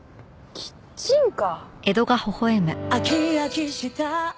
キッチンカー？